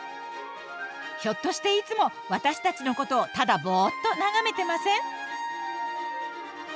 ひょっとしていつも私たちのことをただボーっと眺めてません？